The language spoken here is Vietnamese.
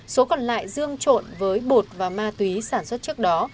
số còn lại dương trộn với bột và ma túy sản xuất trước đó